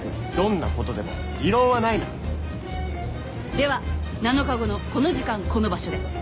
では７日後のこの時間この場所で。